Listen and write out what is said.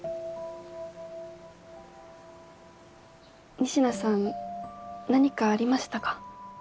仁科さん何かありましたか？